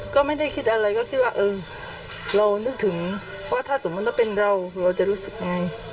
ก็ไม่ได้คิดอะไรก็คิดว่าเออเรานึกถึงว่าถ้าสมมุติว่าเป็นเราเราจะรู้สึกไง